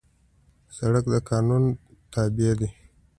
سړک د قانون تابع دی.